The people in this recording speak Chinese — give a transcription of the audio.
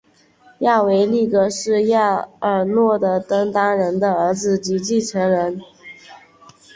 亚维力格是亚尔诺的登丹人的儿子及继承人。